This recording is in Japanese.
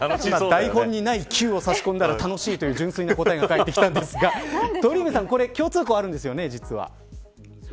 台本にないキューを差し込んだら楽しいという答えが返ってきたんですが鳥海さん、実は共通項があるんですよね。